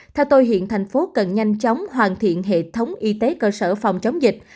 theo tôi hiện thành phố cần nhanh chóng hoàn thiện hệ thống y tế cơ sở phòng chống dịch